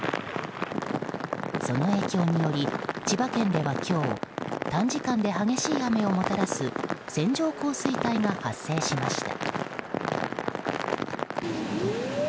その影響により千葉県では今日短時間で激しい雨をもたらす線状降水帯が発生しました。